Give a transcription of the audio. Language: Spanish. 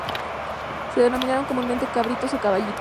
Son denominados comúnmente cabritos o caballitos.